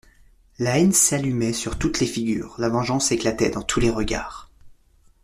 La haine s'allumait sur toutes les figures, la vengeance éclatait dans tous les regards.